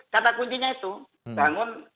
kata kuncinya itu bangun